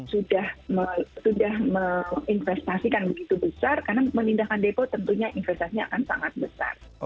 sudah menginvestasikan begitu besar karena memindahkan depo tentunya investasinya akan sangat besar